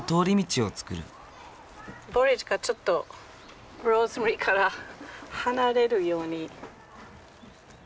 ボリジがちょっとローズマリーから離れるように。